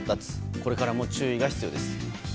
これからも注意が必要です。